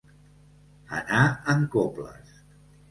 Anar en coples.